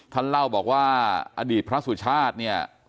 ท่านเล่าบอกว่าอดีตพระสุชาติเนี่ย